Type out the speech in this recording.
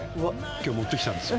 今日持ってきたんですよ。